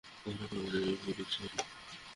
কখনো কোনো বইয়ের রিভিউ লিখেছেন?